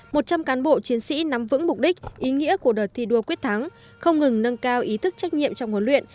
một trăm linh cán bộ chiến sĩ nắm vững mục đích ý nghĩa của đợt thi đua quyết thắng không ngừng nâng cao ý thức trách nhiệm trong huấn luyện